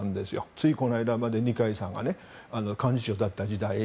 ついこの間までの二階さんが幹事長だった時代に。